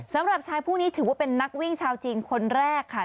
สำหรับชายผู้นี้ถือว่าเป็นนักวิ่งชาวจีนคนแรกค่ะ